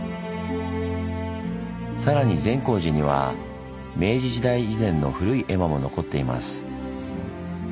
更に善光寺には明治時代以前の古い絵馬も残っています。